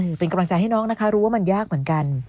คือเป็นกำลังใจให้น้องนะคะรู้ว่ามันยากเหมือนกัน